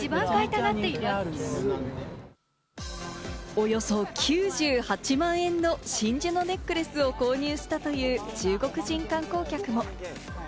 およそ９８万円の真珠のネックレスを購入したという中国人観光客も。